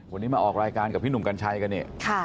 วันนี้มาออกรายการกับพี่หนุ่มกัญชัยกันเนี่ย